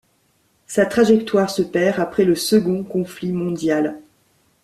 Sa trajectoire se perd après le second conflit mondial.